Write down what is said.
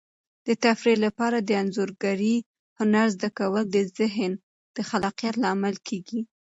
د تفریح لپاره د انځورګرۍ هنر زده کول د ذهن د خلاقیت لامل کیږي.